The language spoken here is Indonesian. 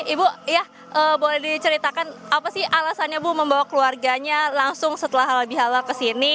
ibu boleh diceritakan apa sih alasannya membawa keluarganya langsung setelah halal bihal kesini